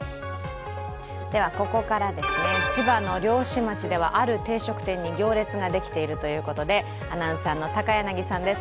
ここから千葉の漁師町ではある定食店に行列ができているということでアナウンサーの高柳さんです。